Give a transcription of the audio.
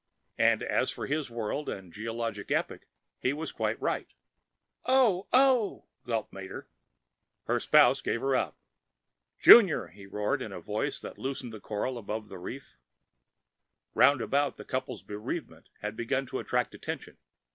(And, as for his world and geologic epoch, he was quite right.) "Oh, oh," gasped Mater. Her spouse gave her up. "JUNIOR!" he roared in a voice that loosened the coral along the reef. Round about, the couple's bereavement had begun attracting attention.